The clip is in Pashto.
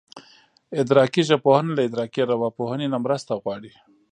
ادراکي ژبپوهنه له ادراکي ارواپوهنې نه مرسته غواړي